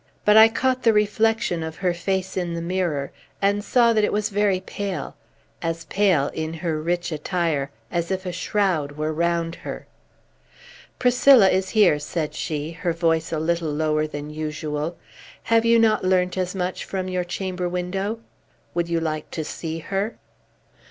But I caught the reflection of her face in the mirror, and saw that it was very pale, as pale, in her rich attire, as if a shroud were round her. "Priscilla is here," said she, her voice a little lower than usual. "Have not you learnt as much from your chamber window? Would you like to see her?"